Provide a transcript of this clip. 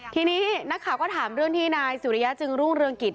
ทีนี้นักข่าวก็ถามเรื่องที่นายสุริยะจึงรุ่งเรืองกิจ